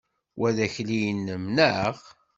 Wa d akli-inem, neɣ?